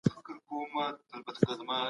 دا د خطر کمولو یوه لاره ده.